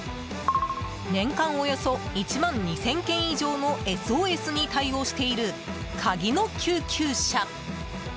年間およそ１万２０００件以上のＳＯＳに対応しているカギの救急車。